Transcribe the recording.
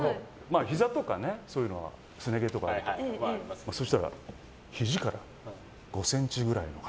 ひざとか、そういうのはすね毛とかあるけどそしたらひじから５ｃｍくらいの。